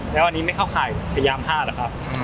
แล้วอันนี้ไม่เข้าข่ายพยายามฆ่าหรอกครับ